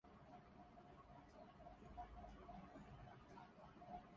এর আগে তিনি দেবদাস ছবিতে একই ভাবে সমালোচনায় এসেছিলেন।